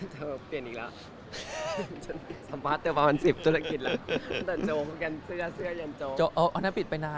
อเจมส์จะเปลี่ยนอีกแล้วสัมภาษณ์เต็มประมาณ๑๐ธุรกิจละตั้งแต่โจ๊กกับกันเสื้อเสื้อย่างโจ๊ก